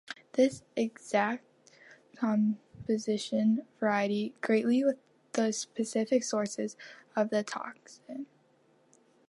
The exact composition varies greatly with the specific source of the toxin.